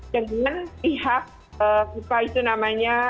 dengan pihak fifa itu namanya